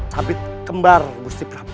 tabit kembar busti prabu